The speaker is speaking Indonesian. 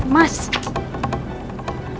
mas ini dia